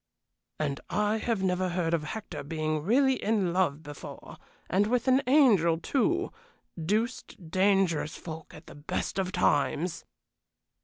"And I have never heard of Hector being really in love before, and with an angel, too deuced dangerous folk at the best of times!"